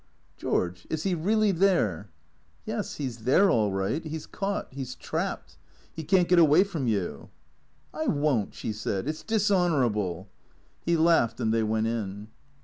" George, is he really there ?"" Yes, he 's there all right. He 's caught. He 's trapped. He can't get away from you." " I won't," she said. " It 's dishonourable." He laughed and they went in.